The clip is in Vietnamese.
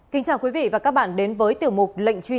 kính chào quý vị và các bạn đến với tiểu mục lệnh truy nã